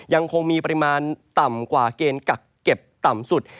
ยังคงมีปริมาณต่ำกว่าเกณฑ์กักเก็บต่ำสุด